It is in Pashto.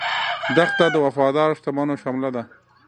دښته د وفادار شتمنو شمله ده.